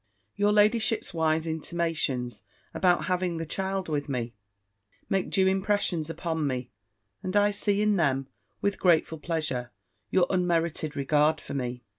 Your ladyship's wise intimations about having the child with me, make due impressions upon me; and I see in them, with grateful pleasure, your unmerited regard for me.